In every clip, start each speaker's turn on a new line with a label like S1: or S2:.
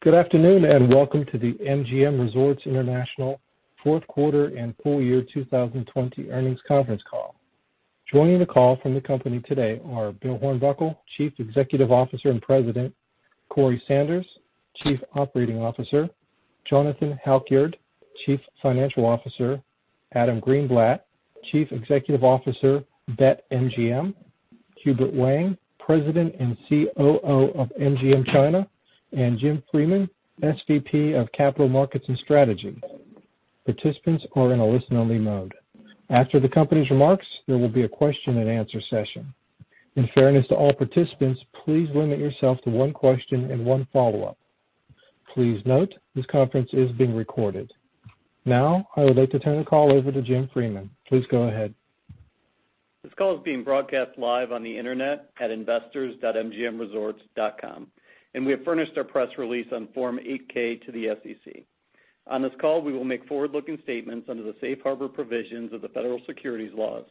S1: Good afternoon, welcome to the MGM Resorts International fourth quarter and full-year 2020 earnings conference call. Joining the call from the company today are Bill Hornbuckle, Chief Executive Officer and President, Corey Sanders, Chief Operating Officer, Jonathan Halkyard, Chief Financial Officer, Adam Greenblatt, Chief Executive Officer, BetMGM, Hubert Wang, President and COO of MGM China, and Jim Freeman, SVP of Capital Markets and Strategy. Participants are in a listen-only mode. After the company's remarks, there will be a question and answer session. In fairness to all participants, please limit yourself to one question and one follow-up. Please note, this conference is being recorded. I would like to turn the call over to Jim Freeman. Please go ahead.
S2: This call is being broadcast live on the internet at investors.mgmresorts.com, and we have furnished our press release on Form 8-K to the SEC. On this call, we will make forward-looking statements under the safe harbor provisions of the Federal Securities Laws.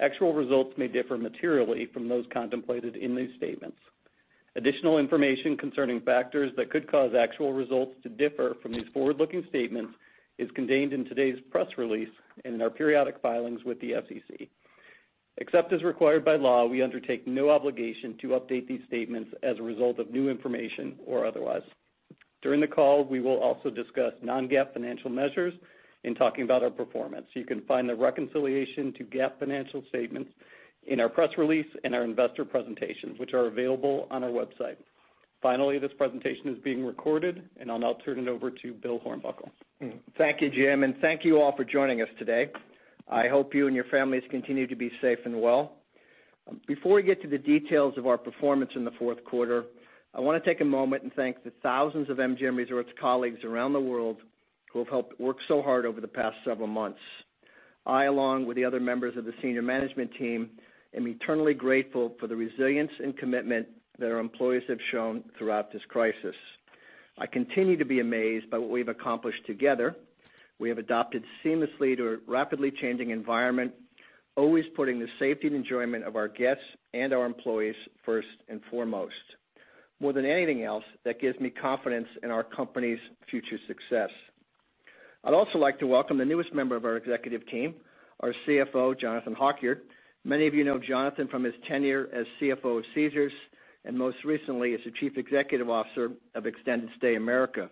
S2: Actual results may differ materially from those contemplated in these statements. Additional information concerning factors that could cause actual results to differ from these forward-looking statements is contained in today's press release and in our periodic filings with the SEC. Except as required by law, we undertake no obligation to update these statements as a result of new information or otherwise. During the call, we will also discuss non-GAAP financial measures in talking about our performance. You can find the reconciliation to GAAP financial statements in our press release and our investor presentations, which are available on our website. Finally, this presentation is being recorded, and I'll now turn it over to Bill Hornbuckle.
S3: Thank you, Jim, and thank you all for joining us today. I hope you and your families continue to be safe and well. Before we get to the details of our performance in the fourth quarter, I want to take a moment and thank the thousands of MGM Resorts colleagues around the world who have helped work so hard over the past several months. I, along with the other members of the senior management team, am eternally grateful for the resilience and commitment that our employees have shown throughout this crisis. I continue to be amazed by what we've accomplished together. We have adapted seamlessly to a rapidly changing environment, always putting the safety and enjoyment of our guests and our employees first and foremost. More than anything else, that gives me confidence in our company's future success. I'd also like to welcome the newest member of our executive team, our CFO, Jonathan Halkyard. Many of you know Jonathan from his tenure as CFO of Caesars, and most recently as the Chief Executive Officer of Extended Stay America.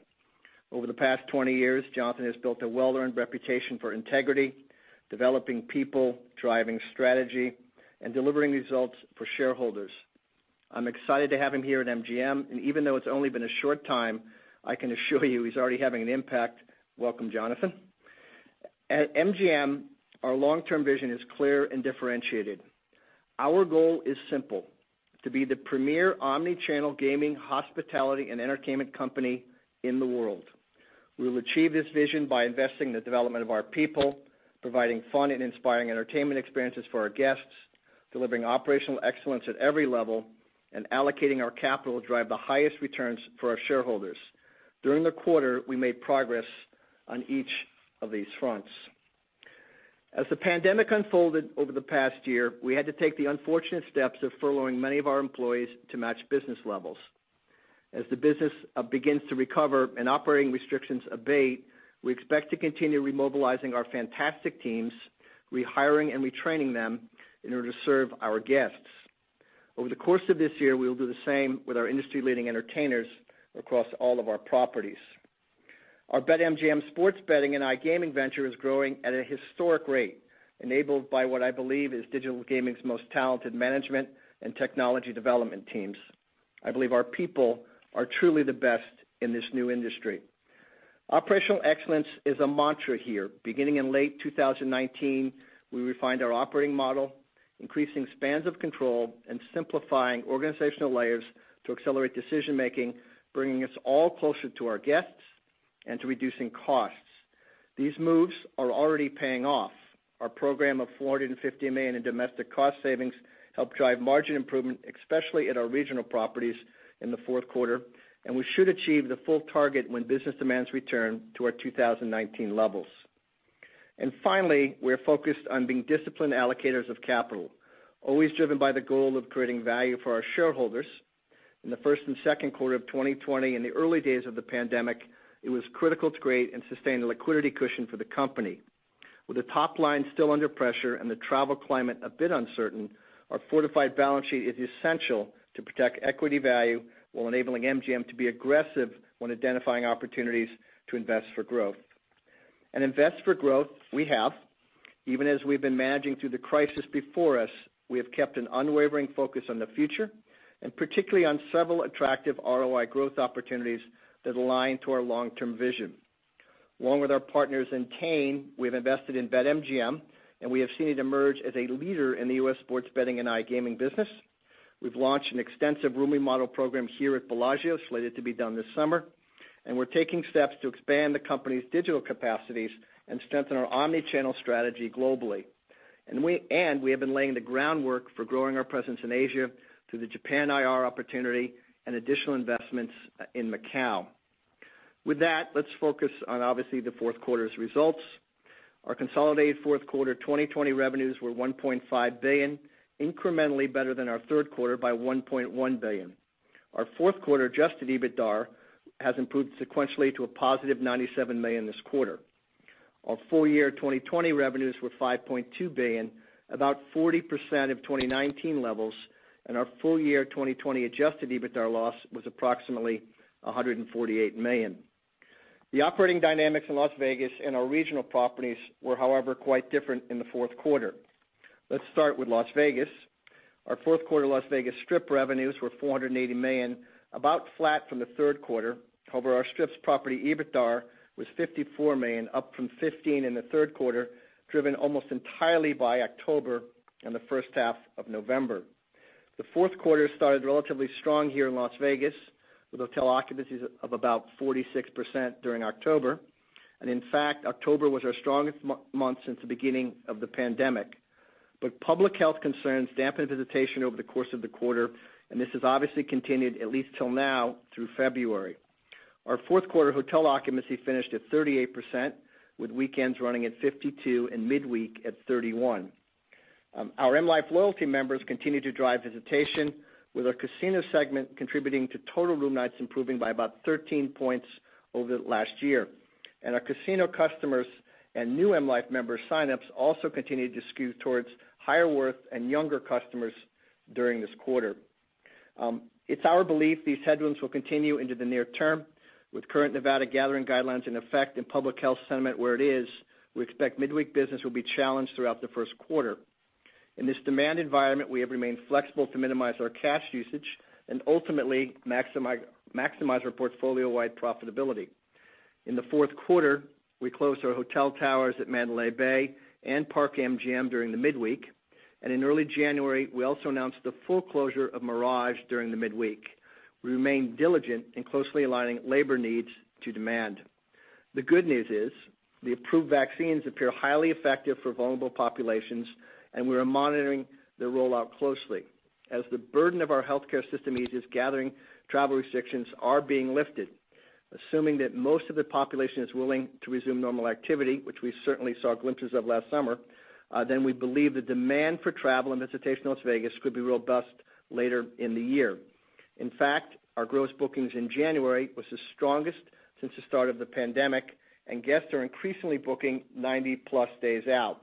S3: Over the past 20 years, Jonathan has built a well-earned reputation for integrity, developing people, driving strategy, and delivering results for shareholders. I'm excited to have him here at MGM, and even though it's only been a short time, I can assure you he's already having an impact. Welcome, Jonathan. At MGM, our long-term vision is clear and differentiated. Our goal is simple, to be the premier omni-channel gaming, hospitality, and entertainment company in the world. We will achieve this vision by investing in the development of our people, providing fun and inspiring entertainment experiences for our guests, delivering operational excellence at every level, allocating our capital to drive the highest returns for our shareholders. During the quarter, we made progress on each of these fronts. As the pandemic unfolded over the past year, we had to take the unfortunate steps of furloughing many of our employees to match business levels. As the business begins to recover and operating restrictions abate, we expect to continue remobilizing our fantastic teams, rehiring and retraining them in order to serve our guests. Over the course of this year, we will do the same with our industry-leading entertainers across all of our properties. Our BetMGM sports betting and iGaming venture is growing at a historic rate, enabled by what I believe is digital gaming's most talented management and technology development teams. I believe our people are truly the best in this new industry. Operational excellence is a mantra here. Beginning in late 2019, we refined our operating model, increasing spans of control and simplifying organizational layers to accelerate decision-making, bringing us all closer to our guests and to reducing costs. These moves are already paying off. Our program of $450 million in domestic cost savings helped drive margin improvement, especially at our regional properties in the fourth quarter, and we should achieve the full target when business demands return to our 2019 levels. Finally, we are focused on being disciplined allocators of capital, always driven by the goal of creating value for our shareholders. In the first and second quarter of 2020, in the early days of the pandemic, it was critical to create and sustain a liquidity cushion for the company. With the top line still under pressure and the travel climate a bit uncertain, our fortified balance sheet is essential to protect equity value while enabling MGM to be aggressive when identifying opportunities to invest for growth. Invest for growth we have. Even as we've been managing through the crisis before us, we have kept an unwavering focus on the future, and particularly on several attractive ROI growth opportunities that align to our long-term vision. Along with our partners in Entain, we have invested in BetMGM, and we have seen it emerge as a leader in the U.S. sports betting and iGaming business. We've launched an extensive rooming model program here at Bellagio, slated to be done this summer, and we're taking steps to expand the company's digital capacities and strengthen our omni-channel strategy globally. We have been laying the groundwork for growing our presence in Asia through the Japan IR opportunity and additional investments in Macau. With that, let's focus on, obviously, the fourth quarter's results. Our consolidated fourth quarter 2020 revenues were $1.5 billion, incrementally better than our third quarter by $1.1 billion. Our fourth quarter adjusted EBITDAR has improved sequentially to a positive $97 million this quarter. Our full-year 2020 revenues were $5.2 billion, about 40% of 2019 levels, and our full-year 2020 adjusted EBITDAR loss was approximately $148 million. The operating dynamics in Las Vegas and our regional properties were, however, quite different in the fourth quarter. Let's start with Las Vegas. Our fourth quarter Las Vegas Strip revenues were $480 million, about flat from the third quarter. Our Strips property EBITDAR was $54 million, up from $15 million in the third quarter, driven almost entirely by October and the first half of November. The fourth quarter started relatively strong here in Las Vegas, with hotel occupancies of about 46% during October. In fact, October was our strongest month since the beginning of the pandemic. Public health concerns dampened visitation over the course of the quarter, and this has obviously continued at least till now through February. Our fourth quarter hotel occupancy finished at 38%, with weekends running at 52% and midweek at 31%. Our M life loyalty members continued to drive visitation, with our casino segment contributing to total room nights improving by about 13 points over last year. Our casino customers and new M life member sign-ups also continued to skew towards higher worth and younger customers during this quarter. It's our belief these headwinds will continue into the near term. With current Nevada gathering guidelines in effect and public health sentiment where it is, we expect midweek business will be challenged throughout the first quarter. In this demand environment, we have remained flexible to minimize our cash usage and ultimately maximize our portfolio-wide profitability. In the fourth quarter, we closed our hotel towers at Mandalay Bay and Park MGM during the midweek, and in early January, we also announced the full closure of Mirage during the midweek. We remain diligent in closely aligning labor needs to demand. The good news is the approved vaccines appear highly effective for vulnerable populations, and we are monitoring their rollout closely. As the burden of our healthcare system eases, gathering travel restrictions are being lifted. Assuming that most of the population is willing to resume normal activity, which we certainly saw glimpses of last summer, we believe the demand for travel and visitation to Las Vegas could be robust later in the year. In fact, our gross bookings in January was the strongest since the start of the pandemic, and guests are increasingly booking 90+ days out.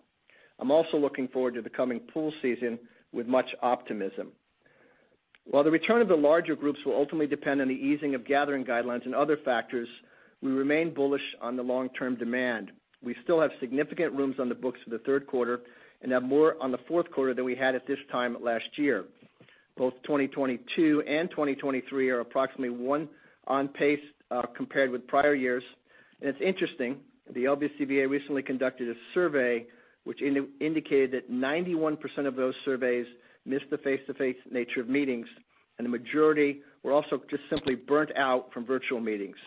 S3: I am also looking forward to the coming pool season with much optimism. While the return of the larger groups will ultimately depend on the easing of gathering guidelines and other factors, we remain bullish on the long-term demand. We still have significant rooms on the books for the third quarter and have more on the fourth quarter than we had at this time last year. Both 2022 and 2023 are approximately one on pace compared with prior years. It's interesting, the LVCVA recently conducted a survey which indicated that 91% of those surveys missed the face-to-face nature of meetings, and the majority were also just simply burnt out from virtual meetings.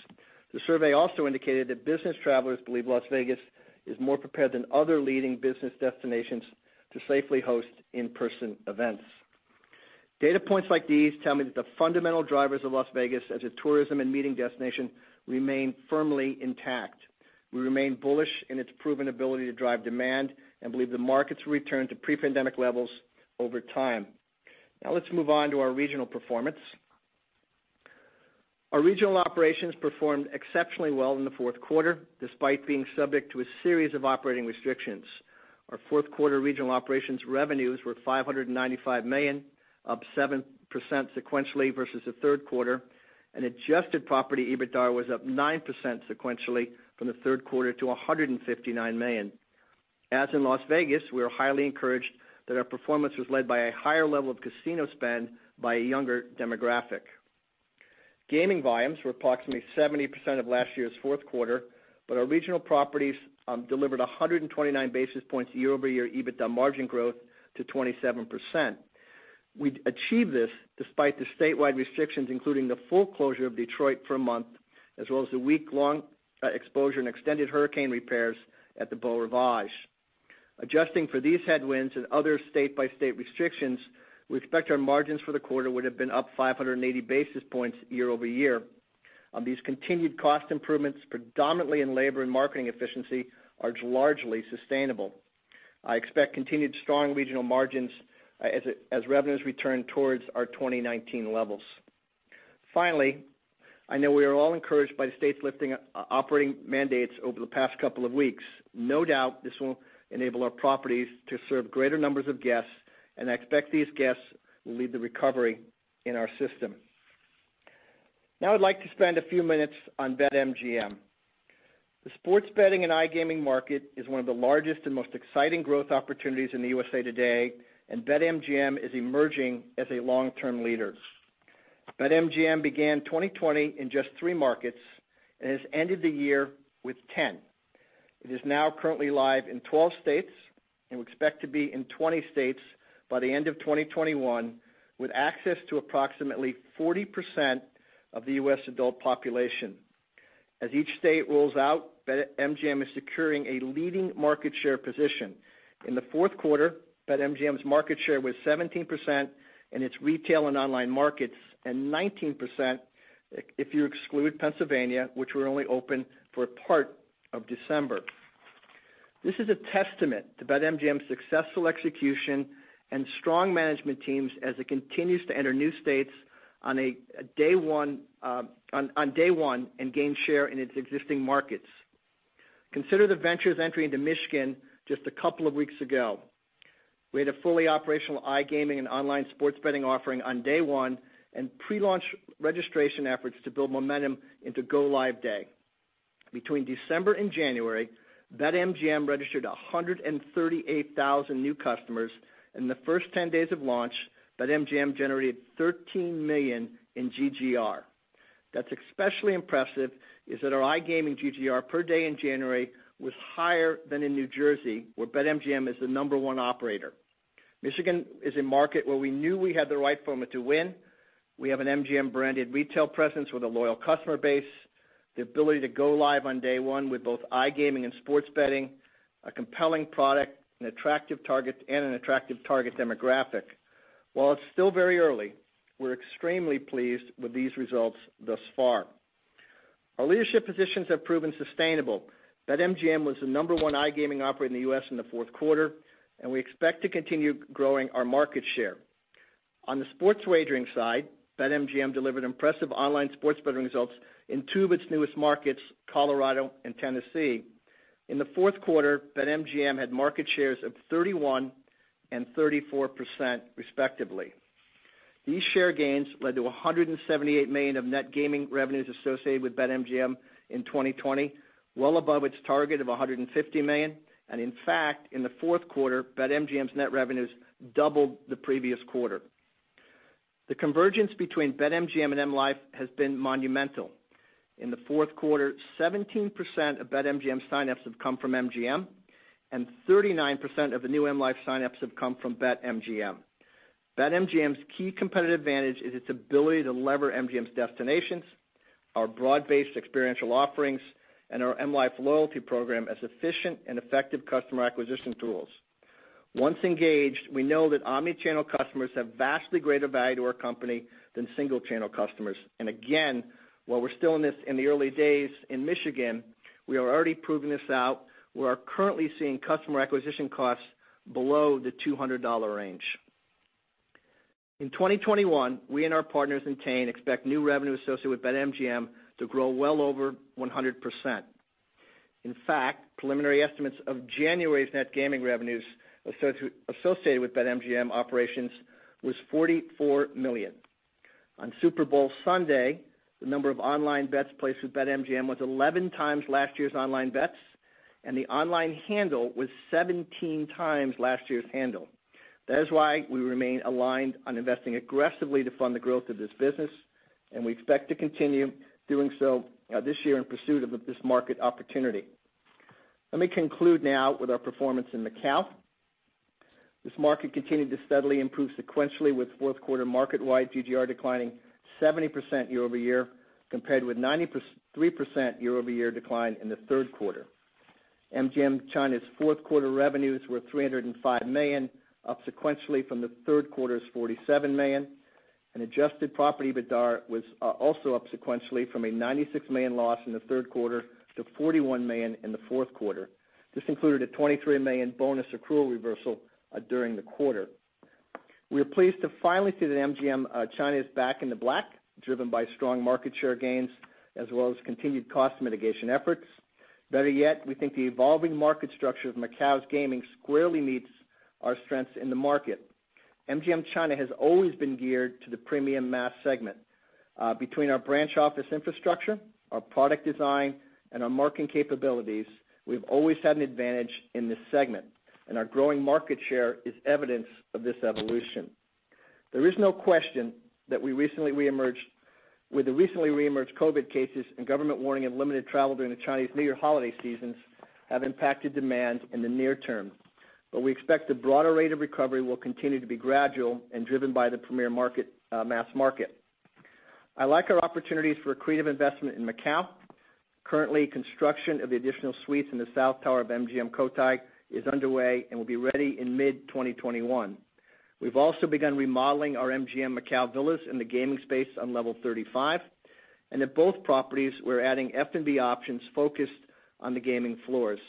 S3: The survey also indicated that business travelers believe Las Vegas is more prepared than other leading business destinations to safely host in-person events. Data points like these tell me that the fundamental drivers of Las Vegas as a tourism and meeting destination remain firmly intact. We remain bullish in its proven ability to drive demand and believe the markets will return to pre-pandemic levels over time. Let's move on to our regional performance. Our regional operations performed exceptionally well in the fourth quarter, despite being subject to a series of operating restrictions. Our fourth quarter regional operations revenues were $595 million, up 7% sequentially versus the third quarter, and adjusted property EBITDA was up 9% sequentially from the third quarter to $159 million. As in Las Vegas, we are highly encouraged that our performance was led by a higher level of casino spend by a younger demographic. Gaming volumes were approximately 70% of last year's fourth quarter, but our regional properties delivered 129 basis points year-over-year EBITDA margin growth to 27%. We achieved this despite the statewide restrictions, including the full closure of Detroit for a month, as well as the week-long exposure and extended hurricane repairs at the Beau Rivage. Adjusting for these headwinds and other state-by-state restrictions, we expect our margins for the quarter would have been up 580 basis points year-over-year. These continued cost improvements, predominantly in labor and marketing efficiency, are largely sustainable. I expect continued strong regional margins as revenues return towards our 2019 levels. I know we are all encouraged by the states lifting operating mandates over the past couple of weeks. No doubt this will enable our properties to serve greater numbers of guests, and I expect these guests will lead the recovery in our system. I'd like to spend a few minutes on BetMGM. The sports betting and iGaming market is one of the largest and most exciting growth opportunities in the USA today, and BetMGM is emerging as a long-term leader. BetMGM began 2020 in just three markets and has ended the year with 10. It is now currently live in 12 states and we expect to be in 20 states by the end of 2021, with access to approximately 40% of the U.S. adult population. As each state rolls out, BetMGM is securing a leading market share position. In the fourth quarter, BetMGM's market share was 17% in its retail and online markets, and 19% if you exclude Pennsylvania, which were only open for part of December. This is a testament to BetMGM's successful execution and strong management teams as it continues to enter new states on day one and gain share in its existing markets. Consider the venture's entry into Michigan just a couple of weeks ago. We had a fully operational iGaming and online sports betting offering on day one and pre-launch registration efforts to build momentum into go live day. Between December and January, BetMGM registered 138,000 new customers. In the first 10 days of launch, BetMGM generated $13 million in GGR. What's especially impressive is that our iGaming GGR per day in January was higher than in New Jersey, where BetMGM is the number one operator. Michigan is a market where we knew we had the right formula to win. We have an MGM-branded retail presence with a loyal customer base, the ability to go live on day one with both iGaming and sports betting, a compelling product, and an attractive target demographic. While it's still very early, we're extremely pleased with these results thus far. Our leadership positions have proven sustainable. BetMGM was the number one iGaming operator in the U.S. in the fourth quarter, and we expect to continue growing our market share. On the sports wagering side, BetMGM delivered impressive online sports betting results in two of its newest markets, Colorado and Tennessee. In the fourth quarter, BetMGM had market shares of 31% and 34%, respectively. These share gains led to $178 million of net gaming revenues associated with BetMGM in 2020, well above its target of $150 million. In fact, in the fourth quarter, BetMGM's net revenues doubled the previous quarter. The convergence between BetMGM and M Life has been monumental. In the fourth quarter, 17% of BetMGM sign-ups have come from MGM, and 39% of the new M Life sign-ups have come from BetMGM. BetMGM's key competitive advantage is its ability to lever MGM's destinations, our broad-based experiential offerings, and our M Life loyalty program as efficient and effective customer acquisition tools. Once engaged, we know that omni-channel customers have vastly greater value to our company than single-channel customers. Again, while we're still in the early days in Michigan, we are already proving this out. We are currently seeing customer acquisition costs below the $200 range. In 2021, we and our partners in Entain expect new revenue associated with BetMGM to grow well over 100%. In fact, preliminary estimates of January's net gaming revenues associated with BetMGM operations was $44 million. On Super Bowl Sunday, the number of online bets placed with BetMGM was 11x last year's online bets, and the online handle was 17x last year's handle. That is why we remain aligned on investing aggressively to fund the growth of this business, and we expect to continue doing so this year in pursuit of this market opportunity. Let me conclude now with our performance in Macau. This market continued to steadily improve sequentially with fourth quarter market-wide GGR declining 70% year-over-year, compared with 93% year-over-year decline in the third quarter. MGM China's fourth quarter revenues were $305 million, up sequentially from the third quarter's $47 million, and adjusted property EBITDAR was also up sequentially from a $96 million loss in the third quarter to $41 million in the fourth quarter. This included a $23 million bonus accrual reversal during the quarter. We are pleased to finally see that MGM China is back in the black, driven by strong market share gains, as well as continued cost mitigation efforts. Better yet, we think the evolving market structure of Macau's gaming squarely meets our strengths in the market. MGM China has always been geared to the premium mass segment. Between our branch office infrastructure, our product design, and our marketing capabilities, we've always had an advantage in this segment, and our growing market share is evidence of this evolution. There is no question that with the recently reemerged COVID cases and government warning of limited travel during the Chinese New Year holiday seasons have impacted demand in the near term. We expect the broader rate of recovery will continue to be gradual and driven by the premier mass market. I like our opportunities for accretive investment in Macau. Currently, construction of the additional suites in the south tower of MGM Cotai is underway and will be ready in mid-2021. We've also begun remodeling our MGM Macau Villas in the gaming space on level 35, and at both properties, we're adding F&B options focused on the gaming floors.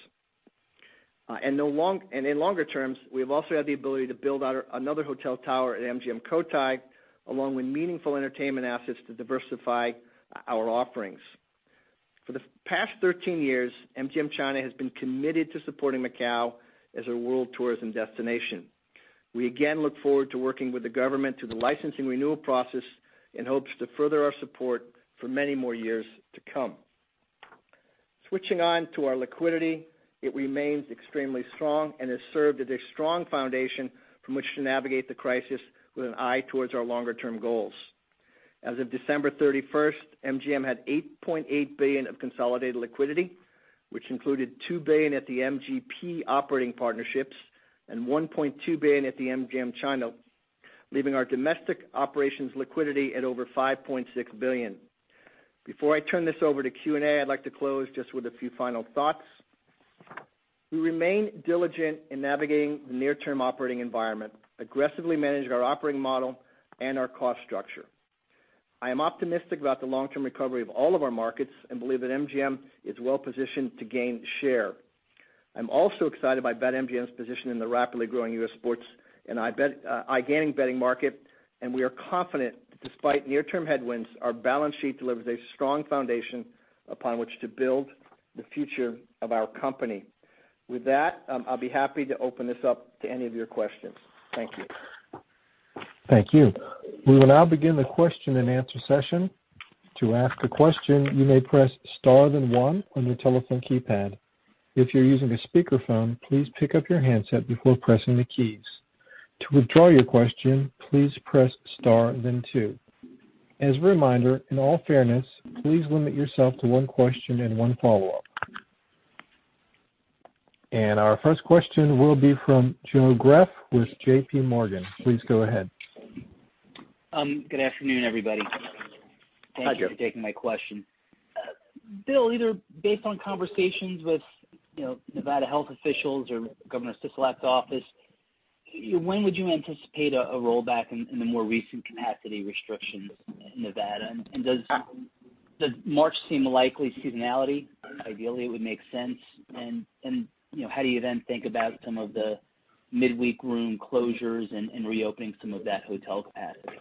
S3: In longer terms, we have also had the ability to build out another hotel tower at MGM Cotai, along with meaningful entertainment assets to diversify our offerings. For the past 13 years, MGM China has been committed to supporting Macau as a world tourism destination. We again look forward to working with the government through the licensing renewal process in hopes to further our support for many more years to come. Switching on to our liquidity, it remains extremely strong and has served as a strong foundation from which to navigate the crisis with an eye towards our longer-term goals. As of December 31st, MGM had $8.8 billion of consolidated liquidity, which included $2 billion at the MGP operating partnerships and $1.2 billion at the MGM China, leaving our domestic operations liquidity at over $5.6 billion. Before I turn this over to Q&A, I'd like to close just with a few final thoughts. We remain diligent in navigating the near-term operating environment, aggressively managing our operating model and our cost structure. I am optimistic about the long-term recovery of all of our markets and believe that MGM is well-positioned to gain share. I'm also excited by BetMGM's position in the rapidly growing U.S. sports and iGaming betting market, and we are confident despite near-term headwinds, our balance sheet delivers a strong foundation upon which to build the future of our company. With that, I'll be happy to open this up to any of your questions. Thank you.
S1: Thank you. We will now begin the question and answer session. To ask a question, you may press star then one on your telephone keypad. If you're using a speakerphone, please pick up your handset before pressing the keys. To withdraw your question, please press star then two. As a reminder, in all fairness, please limit yourself to one question and one follow-up. Our first question will be from Joe Greff with JPMorgan. Please go ahead.
S4: Good afternoon, everybody.
S3: Hi, Joe.
S4: Thank you for taking my question. Bill, either based on conversations with Nevada health officials or Governor Sisolak's office, when would you anticipate a rollback in the more recent capacity restrictions in Nevada? Does March seem a likely seasonality? Ideally, it would make sense. How do you then think about some of the midweek room closures and reopening some of that hotel capacity?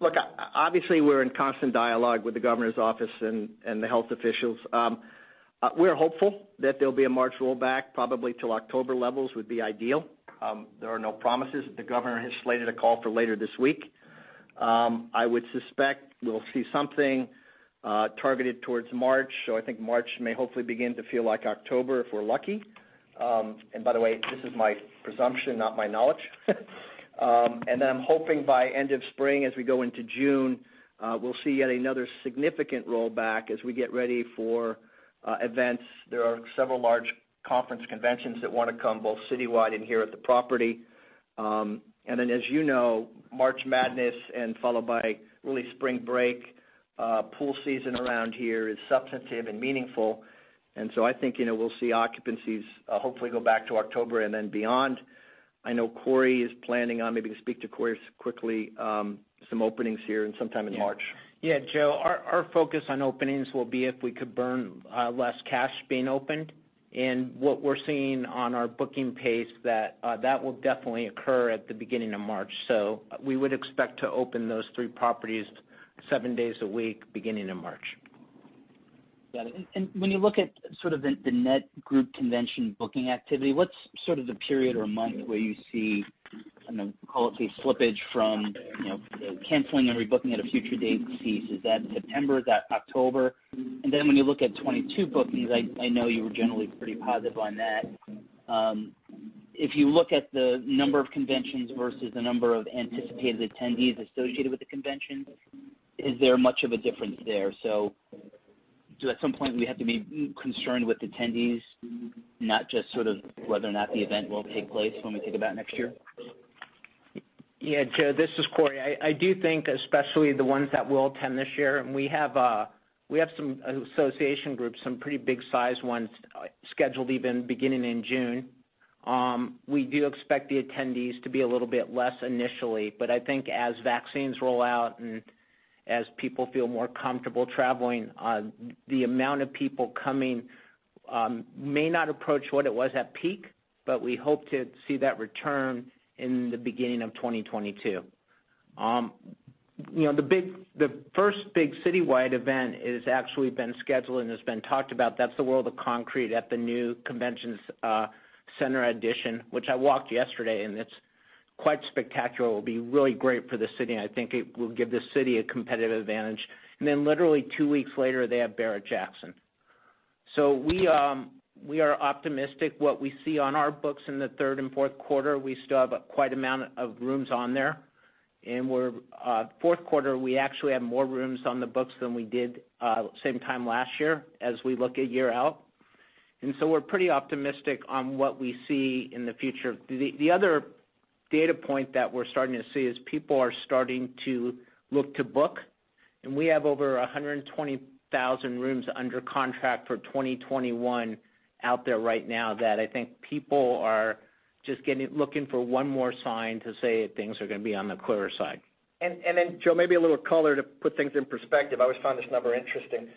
S3: Look, obviously, we're in constant dialogue with the governor's office and the health officials. We're hopeful that there'll be a March rollback, probably till October levels would be ideal. There are no promises. The governor has slated a call for later this week. I would suspect we'll see something targeted towards March. I think March may hopefully begin to feel like October if we're lucky. By the way, this is my presumption, not my knowledge. I'm hoping by end of spring, as we go into June, we'll see yet another significant rollback as we get ready for events. There are several large conference conventions that want to come, both citywide and here at the property. As you know, March Madness and followed by early spring break, pool season around here is substantive and meaningful. I think we'll see occupancies hopefully go back to October and then beyond. I know Corey is planning on-- maybe to speak to Corey quickly, some openings here sometime in March.
S5: Yeah, Joe. Our focus on openings will be if we could burn less cash being opened. What we're seeing on our booking pace, that will definitely occur at the beginning of March. We would expect to open those three properties seven days a week beginning in March.
S4: Got it. When you look at sort of the net group convention booking activity, what's sort of the period or month where you see, call it a slippage from the canceling and rebooking at a future date fees? Is that September, is that October? When you look at 2022 bookings, I know you were generally pretty positive on that. If you look at the number of conventions versus the number of anticipated attendees associated with the convention, is there much of a difference there? Do at some point we have to be concerned with attendees, not just sort of whether or not the event will take place when we think about next year?
S5: Joe. This is Corey. I do think, especially the ones that will attend this year, and we have some association groups, some pretty big sized ones scheduled even beginning in June. We do expect the attendees to be a little bit less initially, but I think as vaccines roll out and as people feel more comfortable traveling, the amount of people coming may not approach what it was at peak, but we hope to see that return in the beginning of 2022. The first big citywide event has actually been scheduled and has been talked about. That's the World of Concrete at the new conventions center addition, which I walked yesterday, and it's quite spectacular. It'll be really great for the city, and I think it will give the city a competitive advantage. Literally two weeks later, they have Barrett-Jackson. We are optimistic what we see on our books in the third and fourth quarter. We still have quite amount of rooms on there. Fourth quarter, we actually have more rooms on the books than we did same time last year as we look at year out. We're pretty optimistic on what we see in the future. The other data point that we're starting to see is people are starting to look to book, and we have over 120,000 rooms under contract for 2021 out there right now that I think people are just looking for one more sign to say things are going to be on the clearer side.
S3: Joe, maybe a little color to put things in perspective. I always found this number interesting.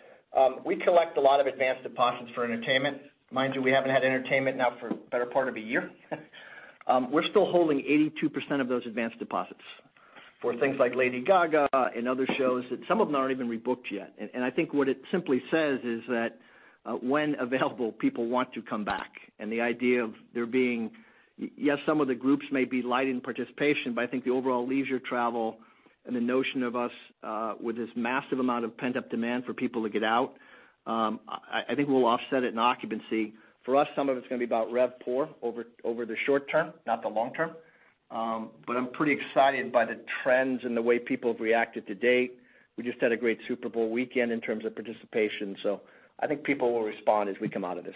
S3: We collect a lot of advanced deposits for entertainment. Mind you, we haven't had entertainment now for the better part of a year. We're still holding 82% of those advanced deposits for things like Lady Gaga and other shows that some of them aren't even rebooked yet. I think what it simply says is that when available, people want to come back. The idea of there being, yes, some of the groups may be light in participation, but I think the overall leisure travel and the notion of us with this massive amount of pent-up demand for people to get out, I think we'll offset it in occupancy. For us, some of it's going to be about RevPAR over the short-term, not the long-term. I'm pretty excited by the trends and the way people have reacted to date. We just had a great Super Bowl weekend in terms of participation. I think people will respond as we come out of this.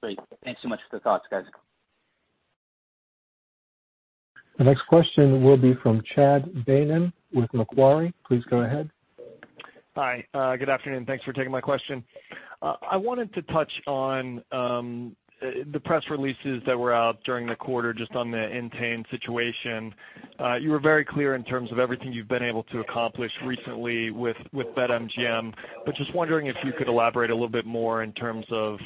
S4: Great. Thanks so much for the thoughts, guys.
S1: The next question will be from Chad Beynon with Macquarie. Please go ahead
S6: Hi, good afternoon. Thanks for taking my question. I wanted to touch on the press releases that were out during the quarter just on the Entain situation. You were very clear in terms of everything you've been able to accomplish recently with BetMGM. Just wondering if you could elaborate a little bit more in terms of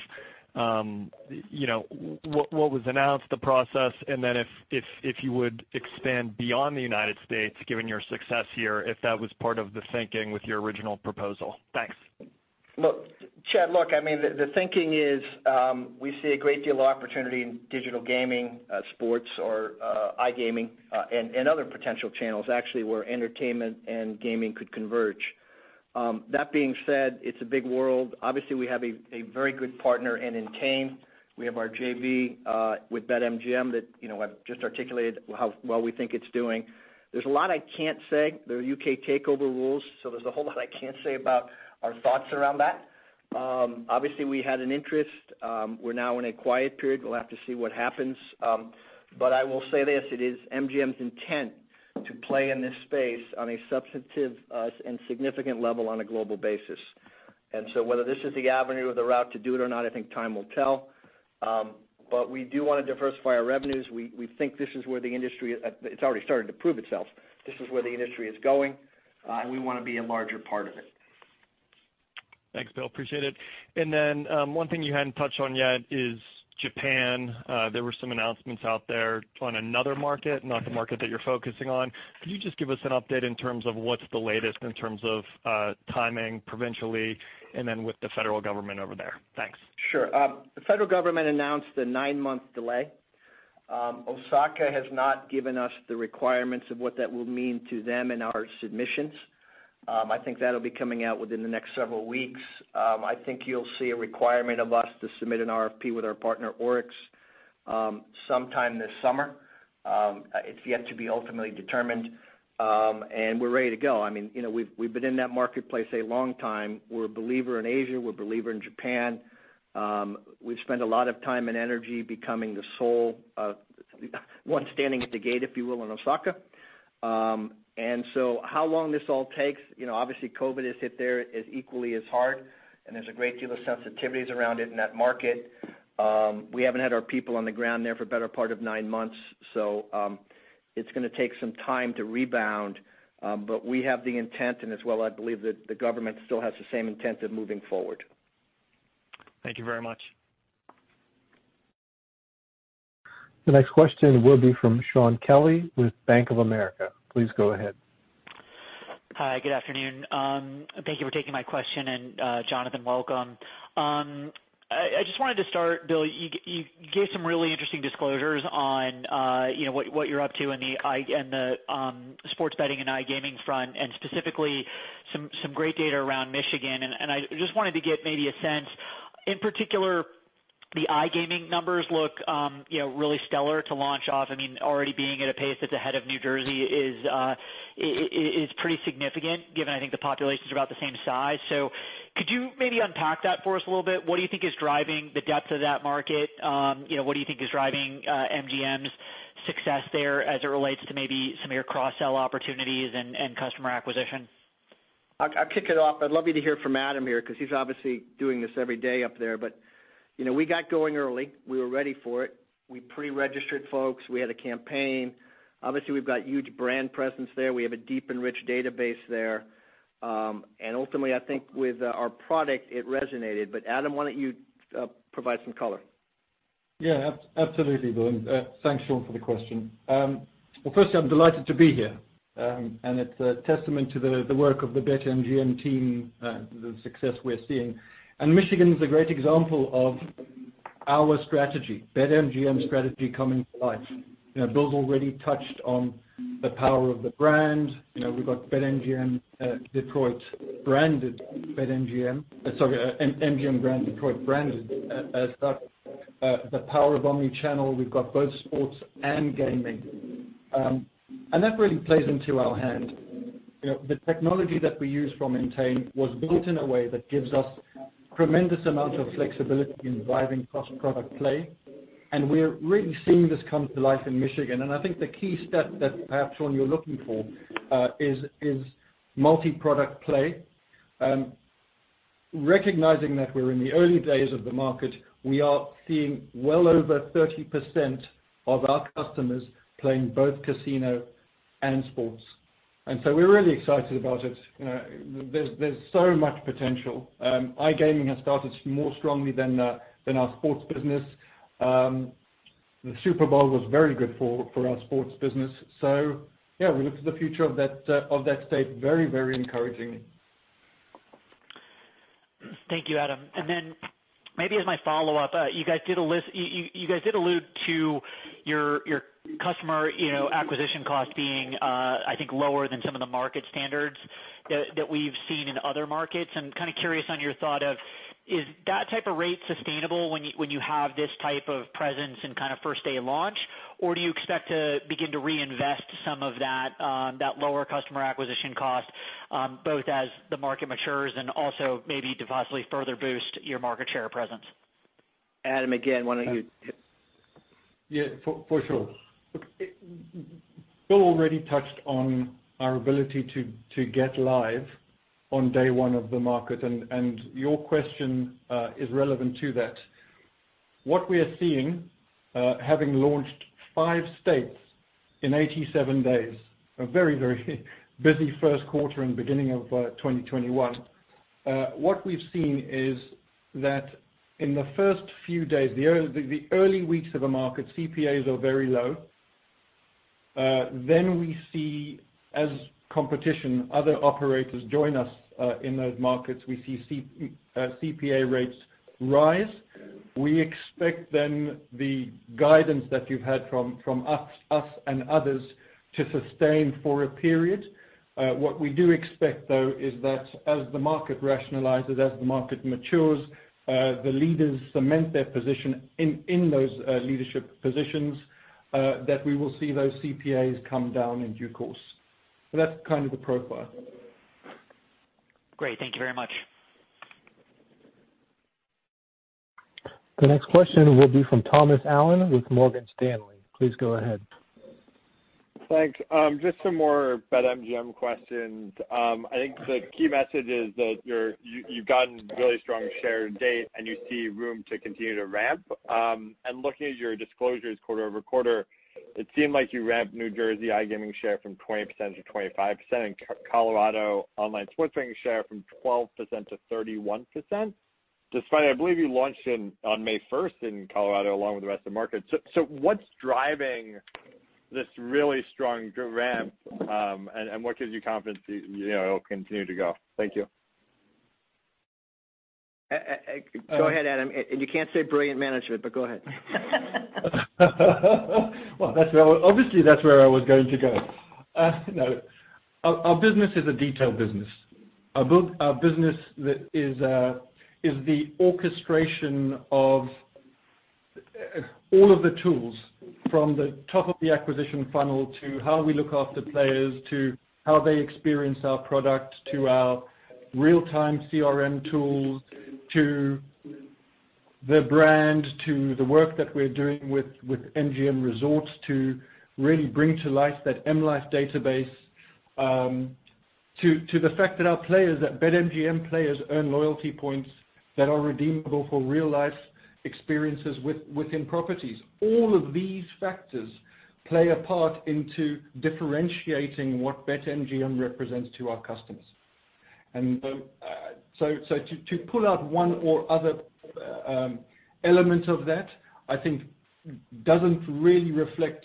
S6: what was announced, the process, and then if you would expand beyond the U.S., given your success here, if that was part of the thinking with your original proposal. Thanks.
S3: Chad, the thinking is, we see a great deal of opportunity in digital gaming, sports, or iGaming, and other potential channels, actually, where entertainment and gaming could converge. That being said, it's a big world. Obviously, we have a very good partner in Entain. We have our JV with BetMGM that I've just articulated how well we think it's doing. There's a lot I can't say. There are U.K. takeover rules, so there's a whole lot I can't say about our thoughts around that. Obviously, we had an interest. We're now in a quiet period. We'll have to see what happens. I will say this: It is MGM's intent to play in this space on a substantive and significant level on a global basis. Whether this is the avenue or the route to do it or not, I think time will tell. We do want to diversify our revenues. We think this is where it's already started to prove itself. This is where the industry is going, and we want to be a larger part of it.
S6: Thanks, Bill. Appreciate it. One thing you hadn't touched on yet is Japan. There were some announcements out there on another market, not the market that you're focusing on. Could you just give us an update in terms of what's the latest in terms of timing provincially and then with the federal government over there? Thanks.
S3: Sure. The federal government announced a nine-month delay. Osaka has not given us the requirements of what that will mean to them in our submissions. I think that'll be coming out within the next several weeks. I think you'll see a requirement of us to submit an RFP with our partner, ORIX, sometime this summer. It's yet to be ultimately determined. We're ready to go. We've been in that marketplace a long time. We're a believer in Asia. We're a believer in Japan. We've spent a lot of time and energy becoming the sole one standing at the gate, if you will, in Osaka. How long this all takes, obviously COVID has hit there as equally as hard, and there's a great deal of sensitivities around it in that market. We haven't had our people on the ground there for the better part of nine months, it's going to take some time to rebound. We have the intent, and as well, I believe that the government still has the same intent of moving forward.
S6: Thank you very much.
S1: The next question will be from Shaun Kelley with Bank of America. Please go ahead.
S7: Hi, good afternoon. Thank you for taking my question. Jonathan, welcome. I just wanted to start, Bill, you gave some really interesting disclosures on what you're up to in the sports betting and iGaming front and specifically some great data around Michigan. I just wanted to get maybe a sense. In particular, the iGaming numbers look really stellar to launch off. Already being at a pace that's ahead of New Jersey is pretty significant given, I think, the population's about the same size. Could you maybe unpack that for us a little bit? What do you think is driving the depth of that market? What do you think is driving MGM's success there as it relates to maybe some of your cross-sell opportunities and customer acquisition?
S3: I'll kick it off. I'd love you to hear from Adam here because he's obviously doing this every day up there. We got going early. We were ready for it. We pre-registered folks. We had a campaign. Obviously, we've got huge brand presence there. We have a deep and rich database there. Ultimately, I think with our product, it resonated. Adam, why don't you provide some color?
S8: Absolutely, Bill, thanks, Shaun, for the question. Well, firstly, I'm delighted to be here. It's a testament to the work of the BetMGM team, the success we're seeing. Michigan's a great example of our strategy, BetMGM strategy coming to life. Bill's already touched on the power of the brand. We've got BetMGM Detroit branded MGM brand, Detroit branded as that. The power of omnichannel, we've got both sports and gaming. That really plays into our hand. The technology that we use from Entain was built in a way that gives us tremendous amounts of flexibility in driving cross-product play. We're really seeing this come to life in Michigan. I think the key step that perhaps, Shaun, you're looking for is multi-product play. Recognizing that we're in the early days of the market, we are seeing well over 30% of our customers playing both casino and sports. We're really excited about it. There's so much potential. iGaming has started more strongly than our sports business. The Super Bowl was very good for our sports business. Yeah, we look to the future of that state very encouragingly.
S7: Thank you, Adam. Maybe as my follow-up, you guys did allude to your customer acquisition cost being, I think, lower than some of the market standards that we've seen in other markets. I'm kind of curious on your thought of, is that type of rate sustainable when you have this type of presence and kind of first-day launch? Do you expect to begin to reinvest some of that lower customer acquisition cost both as the market matures and also maybe to possibly further boost your market share presence?
S3: Adam, again, why don't you.
S8: Yeah, for sure. Bill already touched on our ability to get live on day one of the market, and your question is relevant to that. What we are seeing, having launched five states in 87 days, a very busy first quarter and beginning of 2021. What we've seen is that in the first few days, the early weeks of a market, CPAs are very low. We see as competition, other operators join us in those markets, we see CPA rates rise. We expect then the guidance that you've had from us and others, to sustain for a period. What we do expect, though, is that as the market rationalizes, as the market matures, the leaders cement their position in those leadership positions, that we will see those CPAs come down in due course. That's kind of the profile.
S7: Great. Thank you very much.
S1: The next question will be from Thomas Allen with Morgan Stanley. Please go ahead.
S9: Thanks. Just some more BetMGM questions. I think the key message is that you've gotten really strong share and date, and you see room to continue to ramp. Looking at your disclosures quarter-over-quarter, it seemed like you ramped New Jersey iGaming share from 20% to 25%, and Colorado online sports betting share from 12% to 31%, despite I believe you launched on May 1st in Colorado along with the rest of the market. What's driving this really strong ramp, and what gives you confidence it'll continue to go? Thank you.
S3: Go ahead, Adam, and you can't say brilliant management, but go ahead.
S8: Well, obviously, that's where I was going to go. No. Our business is a detail business. Our business is the orchestration of all of the tools, from the top of the acquisition funnel, to how we look after players, to how they experience our product, to our real-time CRM tools, to the brand, to the work that we're doing with MGM Resorts to really bring to life that M life database, to the fact that our players, that BetMGM players earn loyalty points that are redeemable for real-life experiences within properties. All of these factors play a part into differentiating what BetMGM represents to our customers. To pull out one or other element of that, I think, doesn't really reflect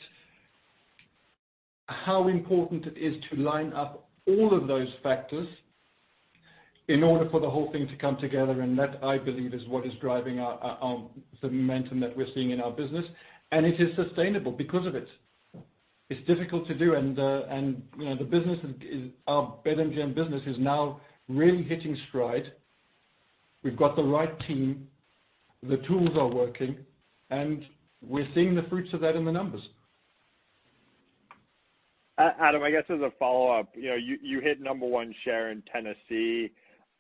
S8: how important it is to line up all of those factors in order for the whole thing to come together. That, I believe, is what is driving the momentum that we're seeing in our business. It is sustainable because of it. It's difficult to do, and our BetMGM business is now really hitting stride. We've got the right team, the tools are working, and we're seeing the fruits of that in the numbers.
S9: Adam, I guess as a follow-up, you hit number one share in Tennessee.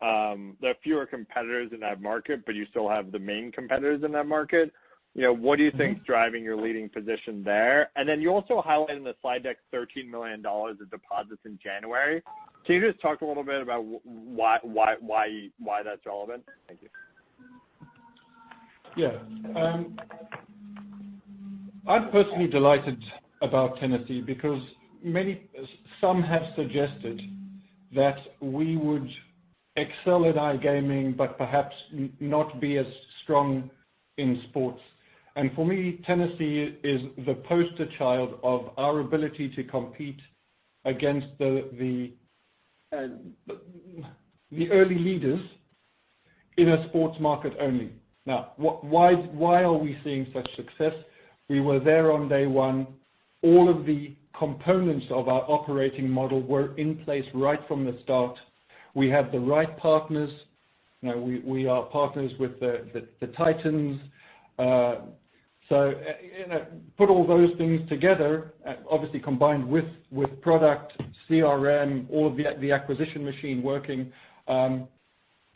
S9: There are fewer competitors in that market, but you still have the main competitors in that market. What do you think is driving your leading position there? You also highlighted in the slide deck $13 million of deposits in January. Can you just talk a little bit about why that's relevant? Thank you.
S8: Yeah. I'm personally delighted about Tennessee because some have suggested that we would excel at iGaming, but perhaps not be as strong in sports. For me, Tennessee is the poster child of our ability to compete against the early leaders in a sports market only. Now, why are we seeing such success? We were there on day one. All of the components of our operating model were in place right from the start. We have the right partners. We are partners with the Titans. Put all those things together, obviously combined with product, CRM, all of the acquisition machine working, and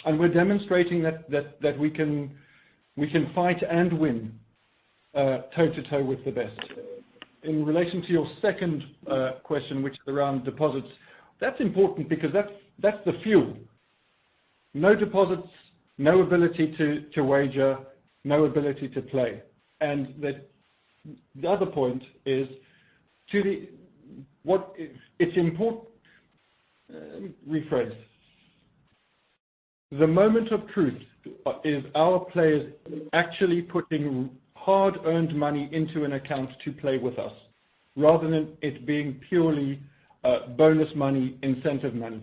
S8: we're demonstrating that we can fight and win toe-to-toe with the best. In relation to your second question, which is around deposits, that's important because that's the fuel. No deposits, no ability to wager, no ability to play. The other point is, let me rephrase. The moment of truth is our players actually putting hard-earned money into an account to play with us rather than it being purely bonus money, incentive money.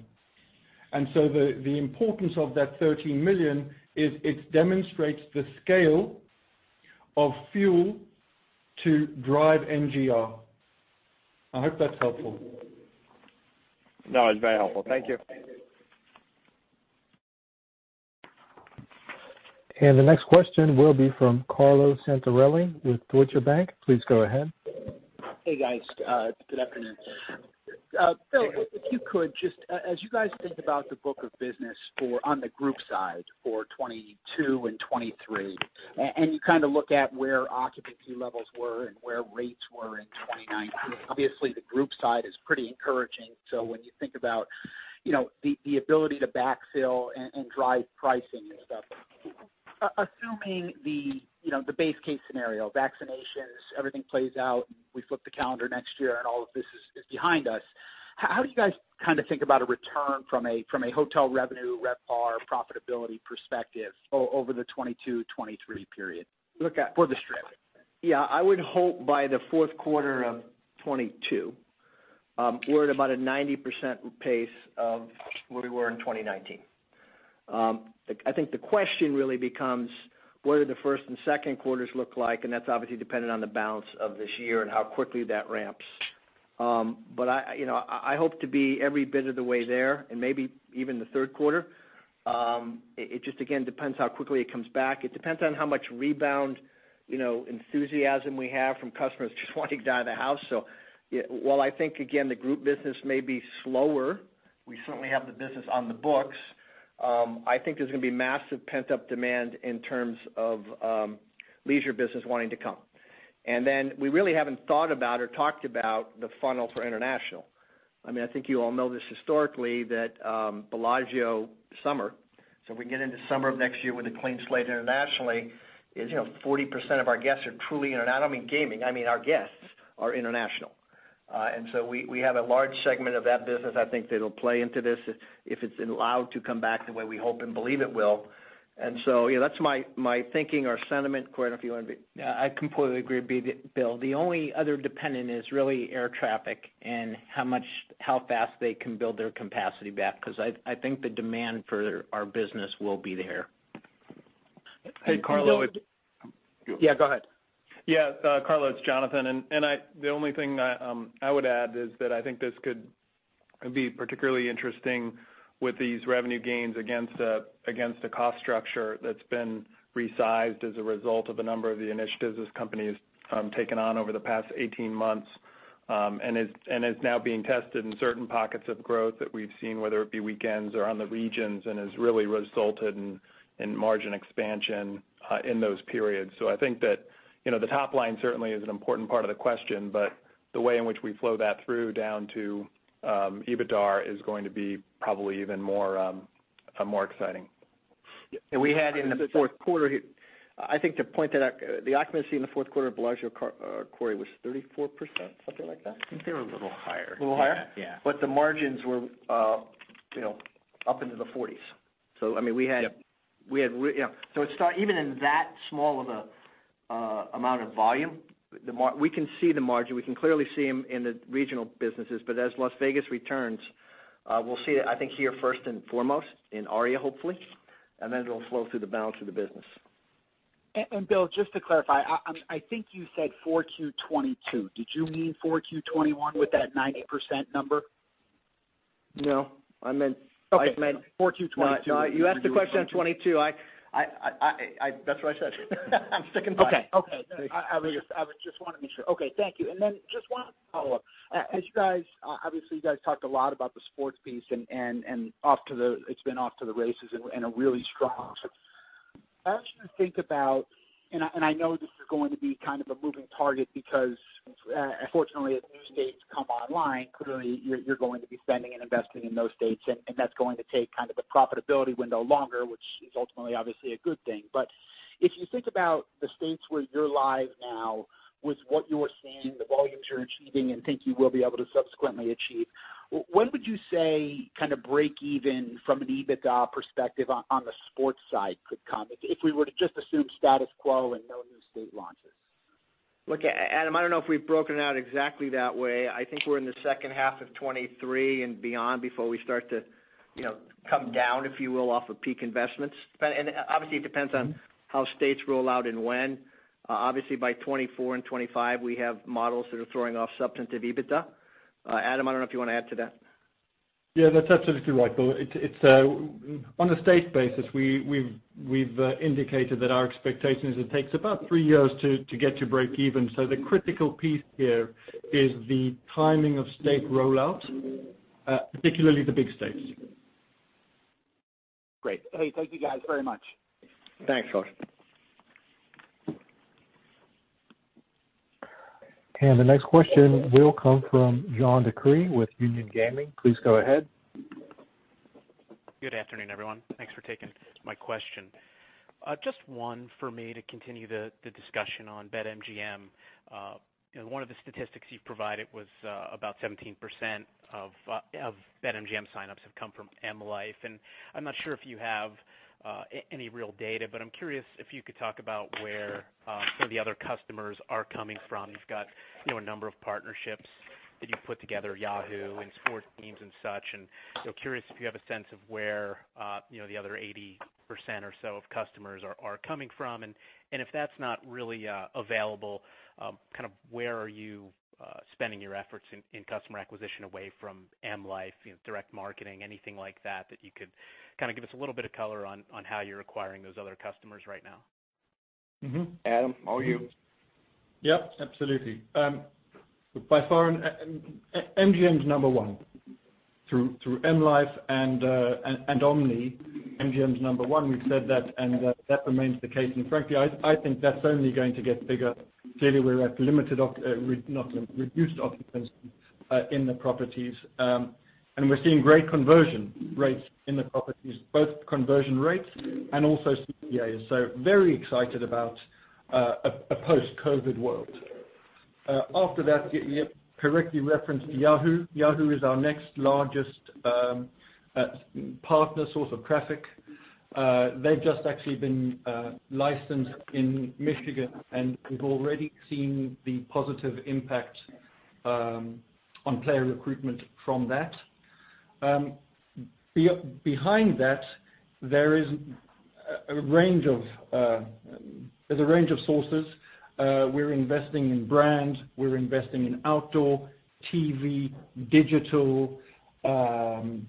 S8: The importance of that $13 million is it demonstrates the scale of fuel to drive NGR. I hope that's helpful.
S9: No, it's very helpful. Thank you.
S1: The next question will be from Carlo Santarelli with Deutsche Bank. Please go ahead.
S10: Hey, guys. Good afternoon. Bill, if you could, just as you guys think about the book of business on the group side for 2022 and 2023, and you look at where occupancy levels were and where rates were in 2019, obviously, the group side is pretty encouraging. When you think about the ability to backfill and drive pricing and stuff, assuming the base case scenario, vaccinations, everything plays out, and we flip the calendar next year and all of this is behind us, how do you guys think about a return from a hotel revenue, RevPAR, profitability perspective over the 2022, 2023 period? Look at- For the Strip.
S3: Yeah. I would hope by the fourth quarter of 2022, we're at about a 90% pace of where we were in 2019. I think the question really becomes, what do the first and second quarters look like, that's obviously dependent on the balance of this year and how quickly that ramps. I hope to be every bit of the way there and maybe even the third quarter. It just, again, depends how quickly it comes back. It depends on how much rebound enthusiasm we have from customers just wanting to get out of the house. While I think, again, the group business may be slower, we certainly have the business on the books. I think there's going to be massive pent-up demand in terms of leisure business wanting to come. We really haven't thought about or talked about the funnel for international. I think you all know this historically, that Bellagio summer, so we get into summer of next year with a clean slate internationally is 40% of our guests are truly international. I don't mean gaming, I mean our guests are international. We have a large segment of that business, I think, that'll play into this if it's allowed to come back the way we hope and believe it will. Yeah, that's my thinking or sentiment. Corey, if you want to.
S5: Yeah, I completely agree with Bill. The only other dependent is really air traffic and how fast they can build their capacity back, because I think the demand for our business will be there.
S11: Hey, Carlo.
S5: Yeah, go ahead.
S11: Yeah, Carlo, it's Jonathan. The only thing that I would add is that I think this could be particularly interesting with these revenue gains against a cost structure that's been resized as a result of a number of the initiatives this company has taken on over the past 18 months, and is now being tested in certain pockets of growth that we've seen, whether it be weekends or on the regions, and has really resulted in margin expansion in those periods. I think that the top line certainly is an important part of the question, but the way in which we flow that through down to EBITDAR is going to be probably even more exciting.
S3: We had in the fourth quarter, I think to point that out, the occupancy in the fourth quarter of Bellagio, Corey, was 34%, something like that?
S5: I think they were a little higher.
S3: A little higher?
S5: Yeah.
S3: The margins were up into the 40s.
S5: Yep.
S3: Even in that small of an amount of volume, we can see the margin. We can clearly see them in the regional businesses. As Las Vegas returns, we'll see it, I think, here first and foremost in ARIA, hopefully, and then it'll flow through the balance of the business.
S10: Bill, just to clarify, I think you said 4Q 2022. Did you mean 4Q 2021 with that 90% number?
S3: No, I meant-
S10: Okay. I meant 4Q 2022.
S3: No, you asked the question on 2022.
S10: That's what I said. I'm sticking by it.
S3: Okay. I just wanted to make sure.
S10: Okay, thank you. Just one follow-up. As you guys, obviously you guys talked a lot about the sports piece and it's been off to the races and are really strong. As you think about, I know this is going to be kind of a moving target because, unfortunately, as new states come online, clearly you're going to be spending and investing in those states, and that's going to take kind of the profitability window longer, which is ultimately, obviously, a good thing. If you think about the states where you're live now, with what you are seeing, the volumes you're achieving and think you will be able to subsequently achieve, when would you say break even from an EBITDA perspective on the sports side could come? If we were to just assume status quo and no new state launches.
S3: Look, Adam, I don't know if we've broken it out exactly that way. I think we're in the second half of 2023 and beyond before we start to come down, if you will, off of peak investments. Obviously, it depends on how states roll out and when. Obviously, by 2024 and 2025, we have models that are throwing off substantive EBITDA. Adam, I don't know if you want to add to that.
S8: Yeah, that's absolutely right, Bill. On a state basis, we've indicated that our expectation is it takes about three years to get to break even. The critical piece here is the timing of state rollout, particularly the big states.
S10: Great. Hey, thank you guys very much.
S3: Thanks, Adam.
S1: The next question will come from John DeCree with Union Gaming. Please go ahead.
S12: Good afternoon, everyone. Thanks for taking my question. Just one for me to continue the discussion on BetMGM. One of the statistics you provided was about 17% of BetMGM signups have come from M life. I'm not sure if you have any real data, but I'm curious if you could talk about where some of the other customers are coming from. You've got a number of partnerships that you've put together, Yahoo, and sports teams and such. Curious if you have a sense of where the other 80% or so of customers are coming from, and if that's not really available, where are you spending your efforts in customer acquisition away from M life, direct marketing, anything like that you could give us a little bit of color on how you're acquiring those other customers right now?
S3: Adam, over to you.
S8: Yep, absolutely. By far, MGM's number one through M life and Omni, MGM's number one. We've said that, and that remains the case. Frankly, I think that's only going to get bigger. Clearly, we're at limited, not reduced occupancy in the properties. And we're seeing great conversion rates in the properties, both conversion rates and also CPAs. Very excited about a post-COVID world. After that, you correctly referenced Yahoo. Yahoo is our next largest partner source of traffic. They've just actually been licensed in Michigan, and we've already seen the positive impact on player recruitment from that. Behind that, there's a range of sources. We're investing in brand, we're investing in outdoor, TV, digital. The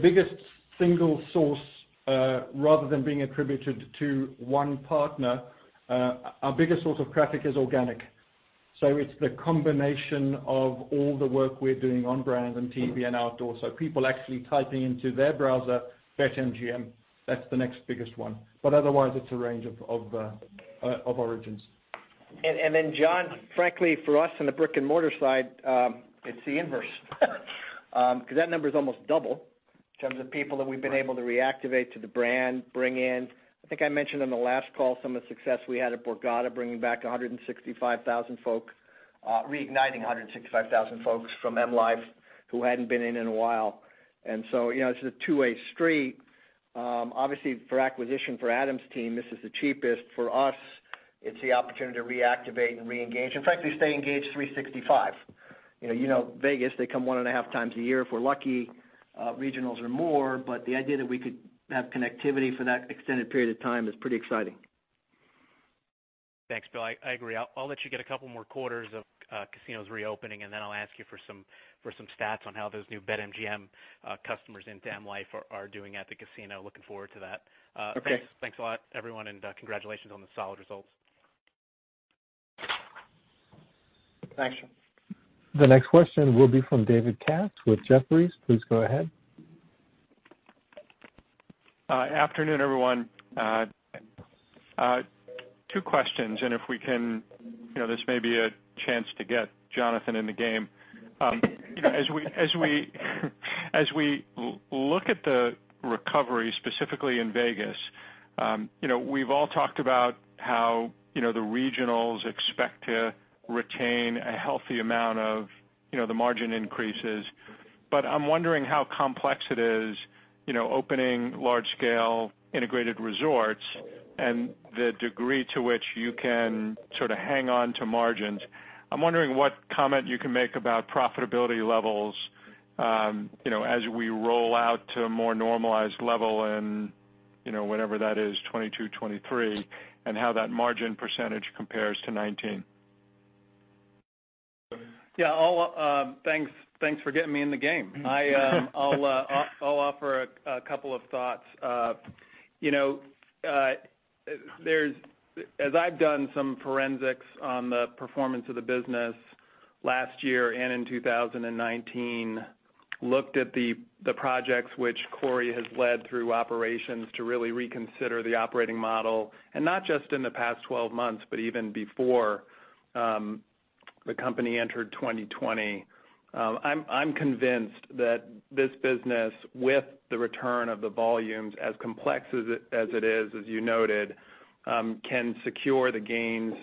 S8: biggest single source, rather than being attributed to one partner, our biggest source of traffic is organic. It's the combination of all the work we're doing on brand and TV and outdoor. People actually typing into their browser, BetMGM, that's the next biggest one. Otherwise, it's a range of origins.
S3: Then, John, frankly, for us in the brick-and-mortar side, it's the inverse because that number is almost double in terms of people that we've been able to reactivate to the brand, bring in. I think I mentioned on the last call some of the success we had at Borgata, bringing back 165,000 folks, reigniting 165,000 folks from M life who hadn't been in in a while. It's a two-way street. Obviously, for acquisition for Adam's team, this is the cheapest. For us, it's the opportunity to reactivate and reengage. In fact, we stay engaged 365. Vegas, they come 1.5x A year, if we're lucky. Regionals are more, the idea that we could have connectivity for that extended period of time is pretty exciting.
S12: Thanks, Bill. I agree. I'll let you get a couple more quarters of casinos reopening, and then I'll ask you for some stats on how those new BetMGM customers into M life are doing at the casino. Looking forward to that.
S3: Okay.
S12: Thanks a lot, everyone, and congratulations on the solid results.
S8: Thanks.
S1: The next question will be from David Katz with Jefferies. Please go ahead.
S13: Afternoon, everyone. Two questions, and if we can, this may be a chance to get Jonathan in the game. As we look at the recovery, specifically in Vegas, we've all talked about how the regionals expect to retain a healthy amount of the margin increases. I'm wondering how complex it is opening large-scale integrated resorts and the degree to which you can sort of hang on to margins. I'm wondering what comment you can make about profitability levels as we roll out to a more normalized level in whatever that is, 2022, 2023, and how that margin percentage compares to 2019.
S11: Yeah. Thanks for getting me in the game. I'll offer a couple of thoughts. As I've done some forensics on the performance of the business last year and in 2019, looked at the projects which Corey has led through operations to really reconsider the operating model, not just in the past 12 months, but even before the company entered 2020. I'm convinced that this business, with the return of the volumes, as complex as it is, as you noted, can secure the gains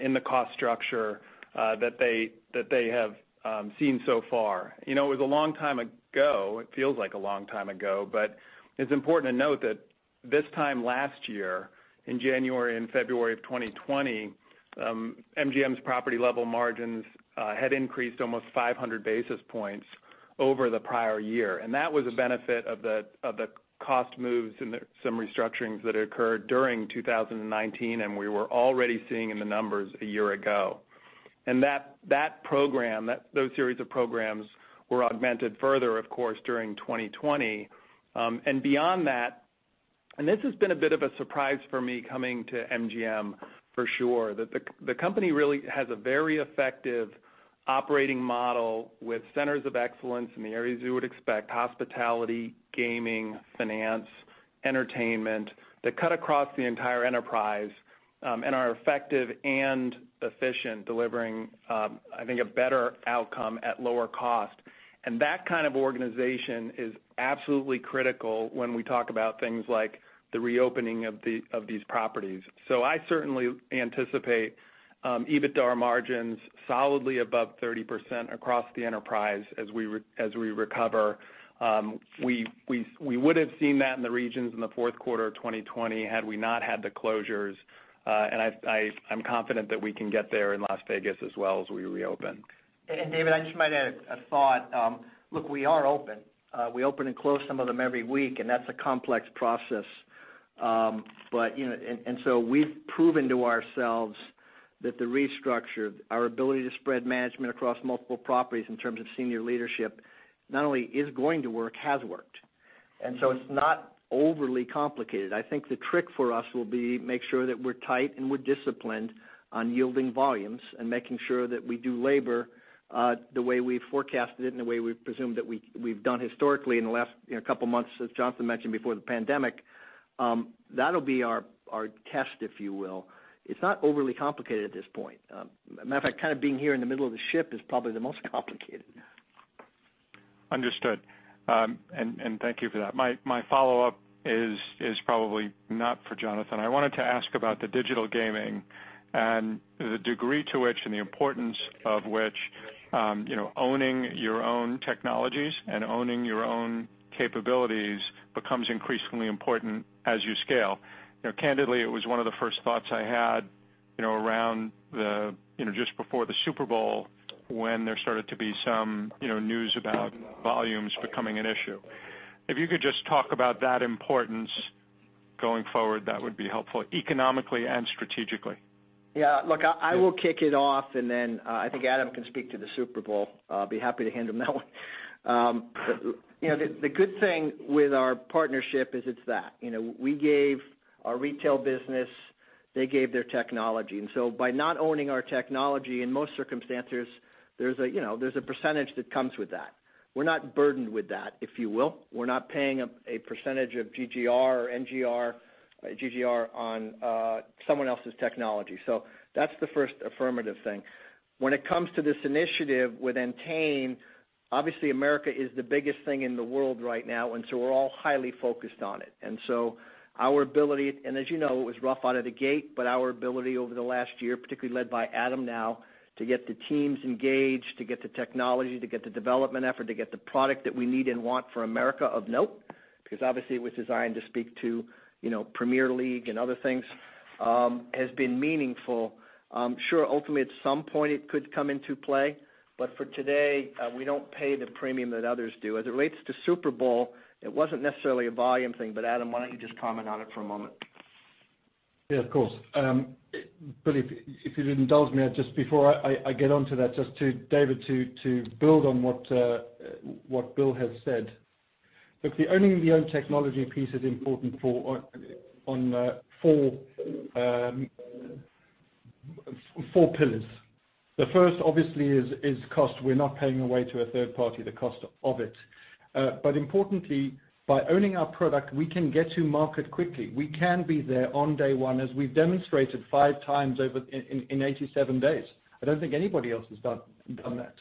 S11: in the cost structure that they have seen so far. It was a long time ago. It feels like a long time ago, it's important to note that this time last year, in January and February of 2020, MGM's property-level margins had increased almost 500 basis points over the prior year. That was a benefit of the cost moves and some restructurings that occurred during 2019, and we were already seeing in the numbers a year ago. That program, those series of programs were augmented further, of course, during 2020. Beyond that, this has been a bit of a surprise for me coming to MGM, for sure, that the company really has a very effective operating model with centers of excellence in the areas you would expect, hospitality, gaming, finance, entertainment, that cut across the entire enterprise and are effective and efficient, delivering, I think, a better outcome at lower cost. That kind of organization is absolutely critical when we talk about things like the reopening of these properties. I certainly anticipate EBITDAR margins solidly above 30% across the enterprise as we recover. We would have seen that in the regions in the fourth quarter of 2020 had we not had the closures. I'm confident that we can get there in Las Vegas as well as we reopen.
S3: David, I just might add a thought. Look, we are open. We open and close some of them every week, and that's a complex process. We've proven to ourselves that the restructure, our ability to spread management across multiple properties in terms of senior leadership, not only is going to work, has worked. It's not overly complicated. I think the trick for us will be make sure that we're tight and we're disciplined on yielding volumes and making sure that we do labor the way we forecasted it and the way we presumed that we've done historically in the last couple of months, as Jonathan mentioned, before the pandemic. That'll be our test, if you will. It's not overly complicated at this point. Matter of fact, kind of being here in the middle of the ship is probably the most complicated.
S13: Understood. Thank you for that. My follow-up is probably not for Jonathan. I wanted to ask about the digital gaming and the degree to which, and the importance of which, owning your own technologies and owning your own capabilities becomes increasingly important as you scale. Candidly, it was one of the first thoughts I had just before the Super Bowl when there started to be some news about volumes becoming an issue. If you could just talk about that importance going forward, that would be helpful, economically and strategically.
S3: Look, I will kick it off and then I think Adam can speak to the Super Bowl. I'll be happy to hand him that one. The good thing with our partnership is it's that. We gave our retail business, they gave their technology. By not owning our technology, in most circumstances, there's a percentage that comes with that. We're not burdened with that, if you will. We're not paying a percentage of GGR or NGR, GGR on someone else's technology. That's the first affirmative thing. When it comes to this initiative with Entain, obviously America is the biggest thing in the world right now, we're all highly focused on it. Our ability, and as you know, it was rough out of the gate, but our ability over the last year, particularly led by Adam now, to get the teams engaged, to get the technology, to get the development effort, to get the product that we need and want for America of note, because obviously it was designed to speak to Premier League and other things, has been meaningful. Sure, ultimately, at some point it could come into play. For today, we don't pay the premium that others do. As it relates to Super Bowl, it wasn't necessarily a volume thing, but Adam, why don't you just comment on it for a moment?
S8: Yeah, of course. If you'd indulge me just before I get onto that, just David, to build on what Bill has said. Look, the owning-the-own technology piece is important on four pillars. The first, obviously, is cost. We're not paying away to a third party the cost of it. Importantly, by owning our product, we can get to market quickly. We can be there on day one, as we've demonstrated 5x in 87 days. I don't think anybody else has done that.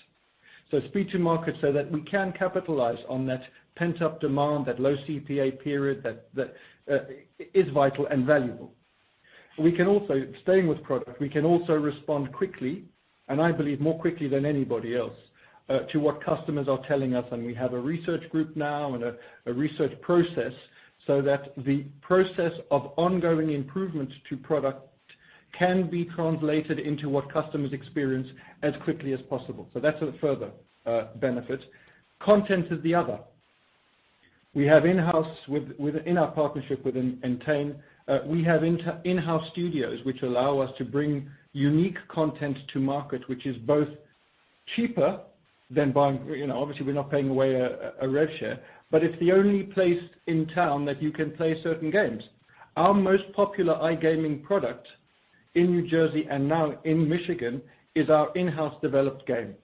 S8: Speed to market so that we can capitalize on that pent-up demand, that low CPA period, that is vital and valuable. Staying with product, we can also respond quickly, and I believe more quickly than anybody else, to what customers are telling us. We have a research group now and a research process so that the process of ongoing improvements to product can be translated into what customers experience as quickly as possible. That's a further benefit. Content is the other. We have in-house within our partnership with Entain. We have in-house studios which allow us to bring unique content to market, which is both cheaper than buying, obviously, we're not paying away a rev share, but it's the only place in town that you can play certain games. Our most popular iGaming product in New Jersey and now in Michigan is our in-house developed game.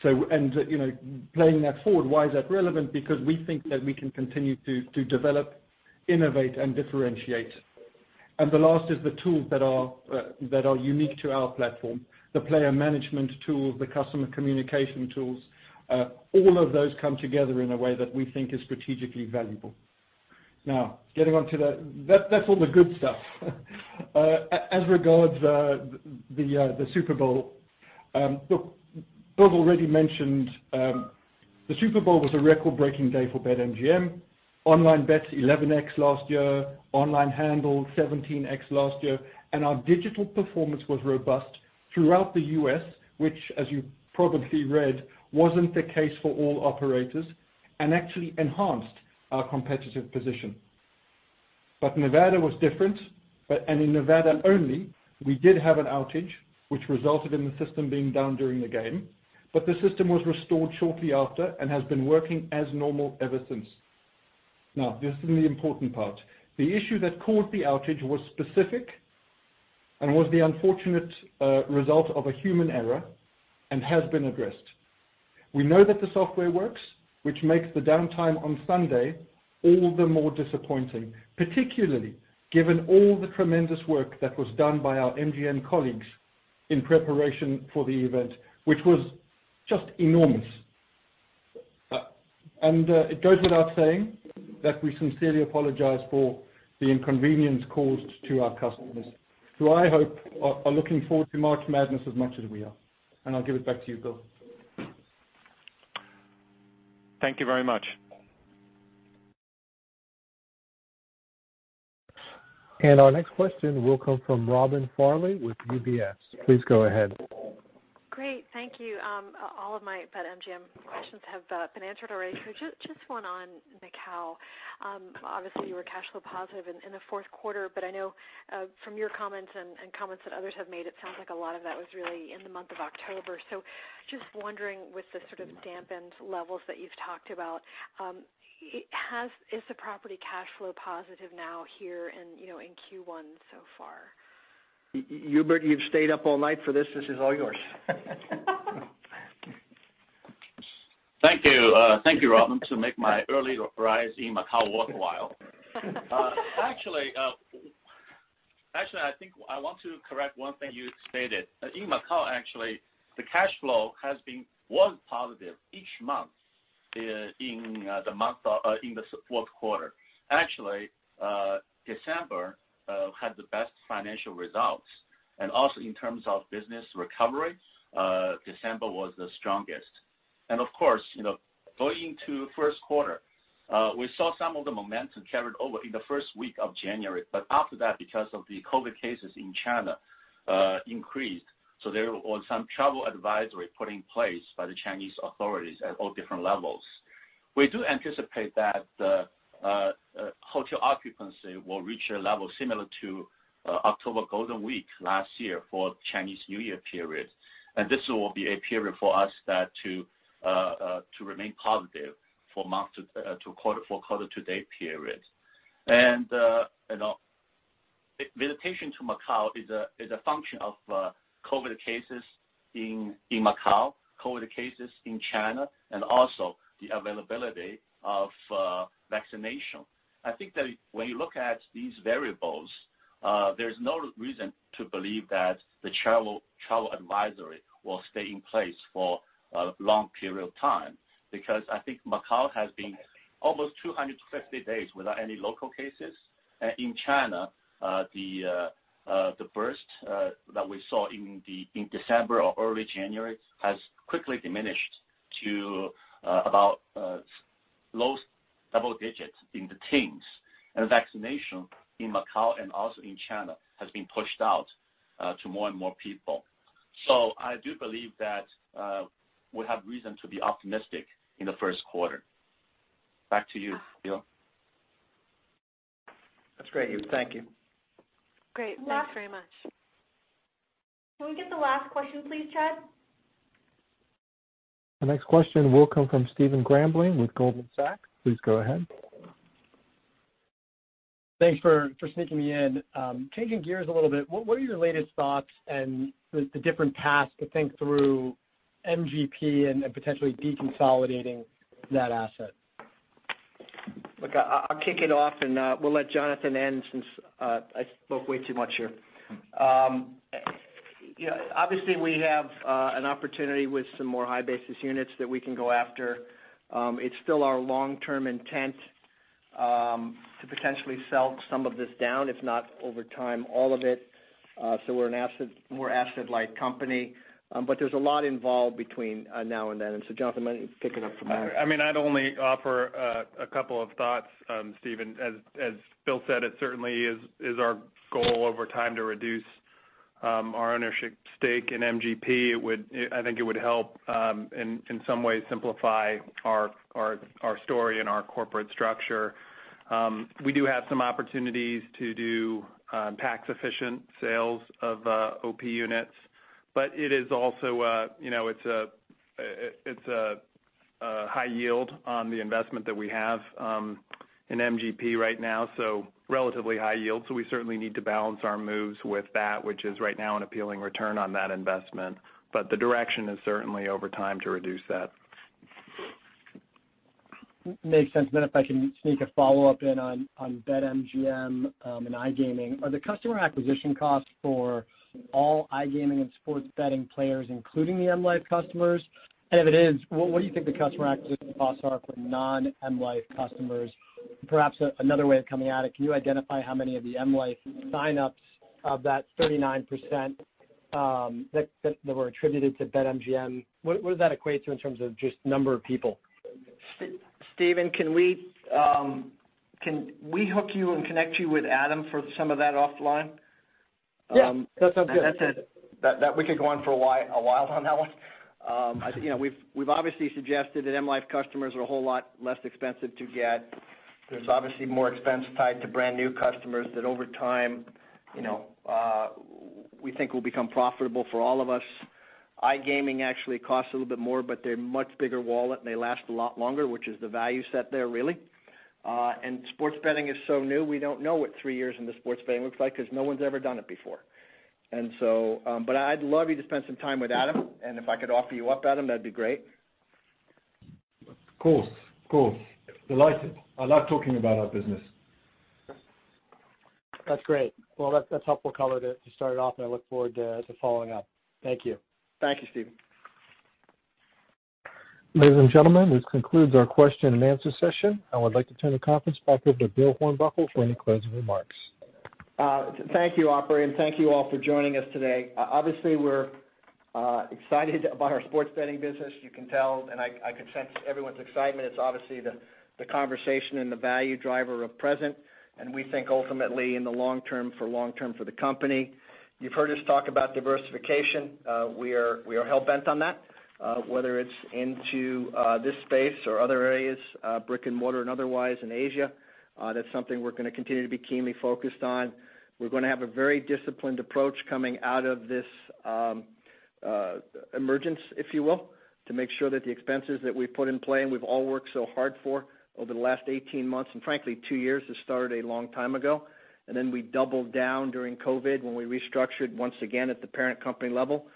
S8: Playing that forward, why is that relevant? We think that we can continue to develop, innovate, and differentiate. The last is the tools that are unique to our platform. The player management tools, the customer communication tools, all of those come together in a way that we think is strategically valuable. That's all the good stuff. As regards the Super Bowl, Bill already mentioned the Super Bowl was a record-breaking day for BetMGM. Online bets, 11x last year. Online handle, 17x last year. Our digital performance was robust throughout the U.S., which, as you probably read, wasn't the case for all operators and actually enhanced our competitive position. Nevada was different. In Nevada only, we did have an outage which resulted in the system being down during the game. The system was restored shortly after and has been working as normal ever since. This is the important part. The issue that caused the outage was specific and was the unfortunate result of a human error and has been addressed. We know that the software works, which makes the downtime on Sunday all the more disappointing, particularly given all the tremendous work that was done by our MGM colleagues in preparation for the event, which was just enormous. It goes without saying that we sincerely apologize for the inconvenience caused to our customers who I hope are looking forward to March Madness as much as we are. I'll give it back to you, Bill.
S13: Thank you very much.
S1: Our next question will come from Robin Farley with UBS. Please go ahead
S14: Thank you. All of my BetMGM questions have been answered already. Just one on Macau. Obviously, you were cash flow positive in the fourth quarter. I know from your comments and comments that others have made, it sounds like a lot of that was really in the month of October. Just wondering, with the sort of dampened levels that you've talked about, is the property cash flow positive now here in Q1 so far?
S3: Hubert, you've stayed up all night for this. This is all yours.
S15: Thank you. Thank you, Robin, to make my early rise in Macau worthwhile. Actually, I think I want to correct one thing you stated. In Macau, actually, the cash flow was positive each month in the fourth quarter. Actually, December had the best financial results. Also, in terms of business recovery, December was the strongest. Of course, going into first quarter, we saw some of the momentum carried over in the first week of January. After that, because of the COVID cases in China increased, there was some travel advisory put in place by the Chinese authorities at all different levels. We do anticipate that hotel occupancy will reach a level similar to October Golden Week last year for Chinese New Year period. This will be a period for us to remain positive for quarter-to-date period. Visitation to Macau is a function of COVID cases in Macau, COVID cases in China, and also the ability of vaccination. I think that when you look at these variables, there's no reason to believe that the travel advisory will stay in place for a long period of time, because I think Macau has been almost 250 days without any local cases. In China, the burst that we saw in December or early January has quickly diminished to about low double digits in the teens. Vaccination in Macau and also in China has been pushed out to more and more people. I do believe that we have reason to be optimistic in the first quarter. Back to you, Bill.
S3: That's great, Hubert. Thank you.
S14: Great. Thanks very much.
S2: Can we get the last question please, Chad?
S1: The next question will come from Stephen Grambling with Goldman Sachs. Please go ahead.
S16: Thanks for sneaking me in. Changing gears a little bit, what are your latest thoughts and the different paths to think through MGP and potentially deconsolidating that asset?
S3: Look, I'll kick it off, and we'll let Jonathan end since I spoke way too much here. Obviously, we have an opportunity with some more high-basis units that we can go after. It's still our long-term intent to potentially sell some of this down, if not over time, all of it, so we're a more asset-light company. There's a lot involved between now and then. Jonathan, why don't you pick it up from there?
S11: I'd only offer a couple of thoughts, Stephen. As Bill said, it certainly is our goal over time to reduce our ownership stake in MGP. I think it would help, in some ways, simplify our story and our corporate structure. We do have some opportunities to do tax-efficient sales of OP units, but it's a high yield on the investment that we have in MGP right now, so relatively high yield. We certainly need to balance our moves with that, which is right now an appealing return on that investment. The direction is certainly over time to reduce that.
S16: Makes sense. If I can sneak a follow-up in on BetMGM and iGaming. Are the customer acquisition costs for all iGaming and sports betting players, including the M life customers? If it is, what do you think the customer acquisition costs are for non-M life customers? Perhaps another way of coming at it, can you identify how many of the M life sign-ups of that 39% that were attributed to BetMGM? What does that equate to in terms of just number of people?
S3: Stephen, can we hook you and connect you with Adam for some of that offline?
S16: Yeah. That sounds good.
S3: That's it. We could go on for a while on that one. We've obviously suggested that M life customers are a whole lot less expensive to get. There's obviously more expense tied to brand-new customers that over time, we think will become profitable for all of us. iGaming actually costs a little bit more, but they're a much bigger wallet, and they last a lot longer, which is the value set there, really. Sports betting is so new, we don't know what three years into sports betting looks like because no one's ever done it before. I'd love you to spend some time with Adam, and if I could offer you up, Adam, that'd be great.
S8: Of course. Delighted. I love talking about our business.
S16: That's great. Well, that's helpful color to start it off, and I look forward to following up. Thank you.
S3: Thank you, Stephen.
S1: Ladies and gentlemen, this concludes our question and answer session. I would like to turn the conference back over to Bill Hornbuckle for any closing remarks.
S3: Thank you, operator. Thank you all for joining us today. Obviously, we're excited about our sports betting business. You can tell, and I could sense everyone's excitement. It's obviously the conversation and the value driver of present, and we think ultimately in the long term for the company. You've heard us talk about diversification. We are hell-bent on that, whether it's into this space or other areas, brick-and-mortar and otherwise in Asia. That's something we're going to continue to be keenly focused on. We're going to have a very disciplined approach coming out of this emergence, if you will, to make sure that the expenses that we put in play and we've all worked so hard for over the last 18 months, and frankly, two years. This started a long time ago. We doubled down during COVID when we restructured once again at the parent company level.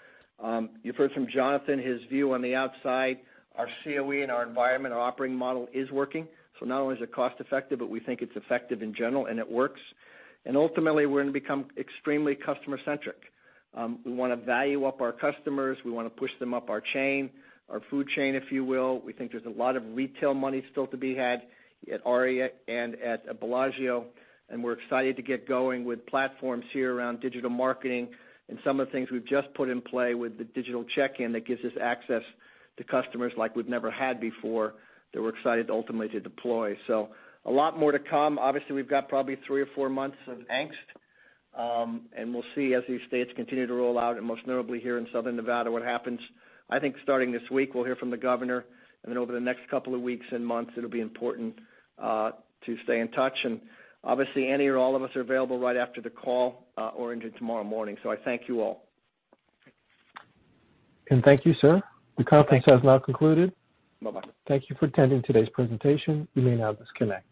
S3: You've heard from Jonathan, his view on the outside, our COE and our environment, our operating model is working. Not only is it cost effective, we think it's effective in general and it works. Ultimately, we're going to become extremely customer-centric. We want to value up our customers. We want to push them up our chain, our food chain, if you will. We think there's a lot of retail money still to be had at ARIA and at Bellagio, we're excited to get going with platforms here around digital marketing and some of the things we've just put in play with the digital check-in that gives us access to customers like we've never had before, that we're excited ultimately to deploy. A lot more to come. Obviously, we've got probably three or four months of angst, and we'll see as these states continue to roll out, and most notably here in Southern Nevada, what happens. I think starting this week, we'll hear from the governor, and then over the next couple of weeks and months, it'll be important to stay in touch. Obviously, any or all of us are available right after the call or into tomorrow morning. I thank you all.
S1: Thank you, sir. The conference has now concluded.
S3: Bye-bye.
S1: Thank you for attending today's presentation. You may now disconnect.